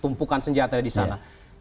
tumpukan senjata di sana